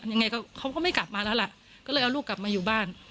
ยังไงเขาก็ไม่กลับมาแล้วล่ะก็เลยเอาลูกกลับมาอยู่บ้าน